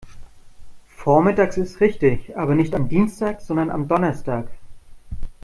Vormittags ist richtig, aber nicht am Dienstag, sondern am Donnerstag.